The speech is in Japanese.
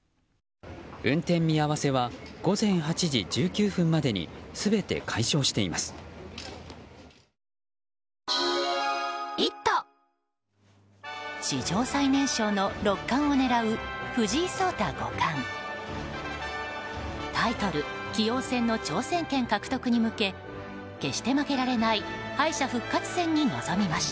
運転見合わせは午前８時１９分までに全て解消しています。